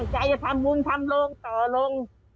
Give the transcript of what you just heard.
จะทำบุญทำลงต่อลง